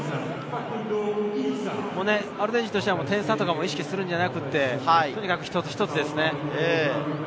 アルゼンチンとしては点差を意識するのではなく、とにかく一つ一つですね。